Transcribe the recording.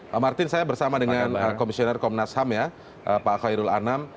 pak martin saya bersama dengan komisioner komnas ham ya pak khairul anam